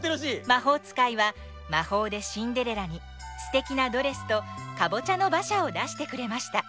まほうつかいはまほうでシンデレラにすてきなドレスとかぼちゃのばしゃをだしてくれました